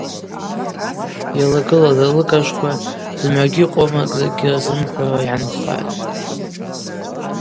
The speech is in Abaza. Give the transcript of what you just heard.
Йалагылалаз алыгажвква зымгӏвагьи къомракӏ закӏгьи рзымхӏвауа йгӏанхатӏ.